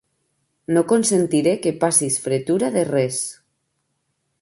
No consentiré que passis fretura de res.